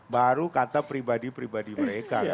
baru kata pribadi pribadi mereka